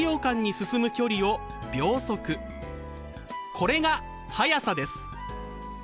これが「速さ」です。